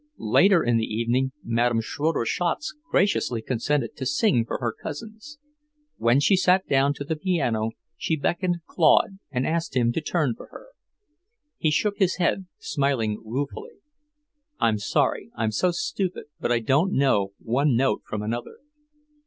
Later in the evening Madame Schroeder Schatz graciously consented to sing for her cousins. When she sat down to the piano, she beckoned Claude and asked him to turn for her. He shook his head, smiling ruefully. "I'm sorry I'm so stupid, but I don't know one note from another."